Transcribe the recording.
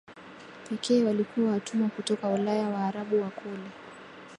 pekee walikuwa watumwa kutoka Ulaya Waarabu wa kule